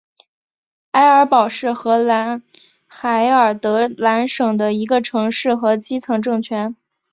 埃尔堡是荷兰海尔德兰省的一个城市和基层政权。